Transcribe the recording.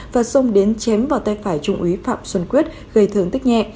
và xông đến chém vào tay phải trung úy phạm xuân quyết gây thương tích nhẹ